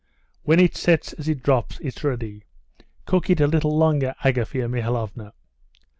"When it sets as it drops, it's ready. Cook it a little longer, Agafea Mihalovna."